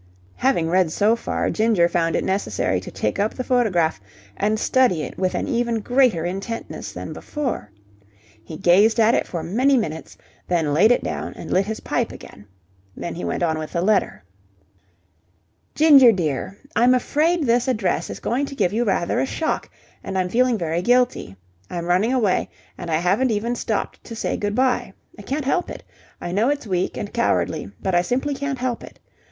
Having read so far, Ginger found it necessary to take up the photograph and study it with an even greater intentness than before. He gazed at it for many minutes, then laid it down and lit his pipe again. Then he went on with the letter. "Ginger, dear I'm afraid this address is going to give you rather a shock, and I'm feeling very guilty. I'm running away, and I haven't even stopped to say good bye. I can't help it. I know it's weak and cowardly, but I simply can't help it.